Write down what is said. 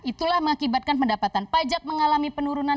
itulah mengakibatkan pendapatan pajak mengalami penurunan